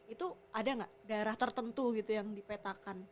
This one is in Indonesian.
itu ada nggak daerah tertentu gitu yang dipetakan